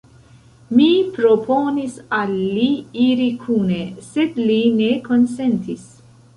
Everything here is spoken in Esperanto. Mi proponis al li iri kune, sed li ne konsentis!